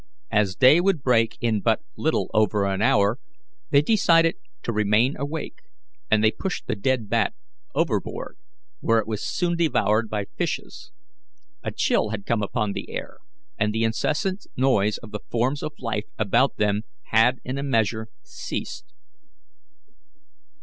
As day would break in but little over an hour, they decided to remain awake, and they pushed the dead bat overboard, where it was soon devoured by fishes. A chill had come upon the air, and the incessant noise of the forms of life about them had in a measure ceased.